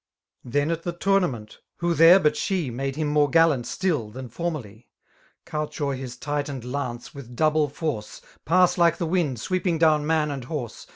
Then at the tournament,— who there but she Made him moiPe gallant still than formeily. Couch o'er his tightened lance with double force. Pass like the wind, sweeping down man and horse.